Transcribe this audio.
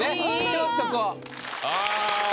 ちょっとこうあぁ